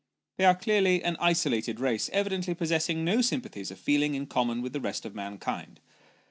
They are clearly an isolated race, evidently possessing no sympathies or feelings in common with the rest of mankind.